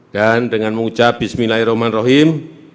dan dengan mengucap bismillahirrahmanirrahim